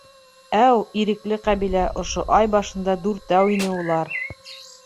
Әү, Ирекле ҡәбилә, ошо ай башында дүртәү ине улар!